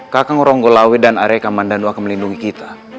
kakang orang golawet dan areka mandandu akan melindungi kita